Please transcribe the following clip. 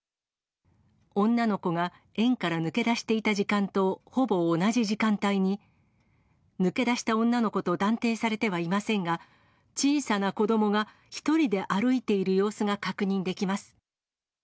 女の子が園から抜け出していた時間とほぼ同じ時間帯に、抜け出した女の子と断定されてはいませんが、小さな子どもが１人で歩いている様子が確認できます。